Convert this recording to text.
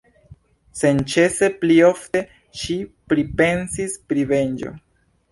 Senĉese pli ofte ŝi pripensis pri venĝo.